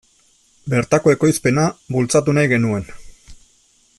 Bertako ekoizpena bultzatu nahi genuen.